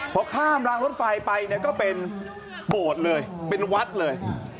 พอข้ามรางรถไฟไปเนี่ยก็เป็นโบสถ์เลยเป็นวัดเลย